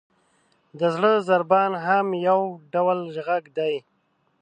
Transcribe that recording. • د زړه ضربان هم یو ډول ږغ دی.